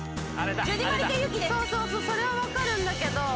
それはわかるんだけど。